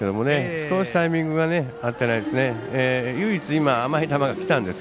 少しタイミングが合ってないです。